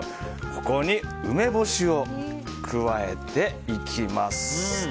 ここに梅干しを加えていきます。